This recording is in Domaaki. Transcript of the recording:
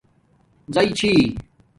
زَی چھی